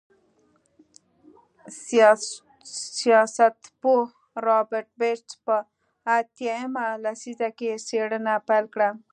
سیاستپوه رابرټ بېټس په اتیا مه لسیزه کې څېړنه پیل کړه.